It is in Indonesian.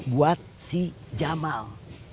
buat si jamal